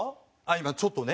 今ちょっとね